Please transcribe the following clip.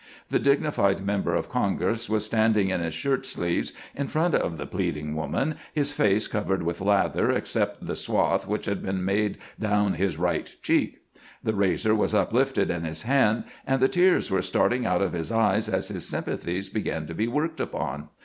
The dignified member of Congress was standing in his shirt sleeves in front of the pleading woman, his face covered with lather, except the swath which had been made down his right cheek ; the razor was uplifted in his hand, and the tears were starting out of his eyes as his sympathies began to be worked upon.